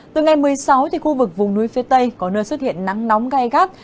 từ ngày một mươi sáu khu vực vùng núi phía tây có nơi xuất hiện nắng nóng gai gắt